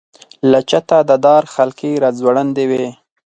له چته د دار حلقې را ځوړندې وې.